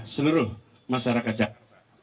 seluruh masyarakat jakarta